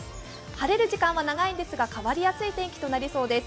晴れる時間は長いんですが変わりやすい天気となりそうです。